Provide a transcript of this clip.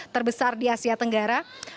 terbesar di asia tenggara